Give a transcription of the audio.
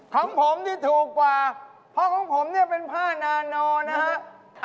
ของผมที่ถูกกว่าเพราะของผมเนี่ยเป็นผ้านาโนนะฮะ